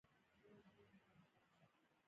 آیا الوتکې خوراکي توکي نه وړي؟